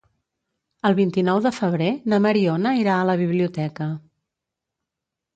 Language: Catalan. El vint-i-nou de febrer na Mariona irà a la biblioteca.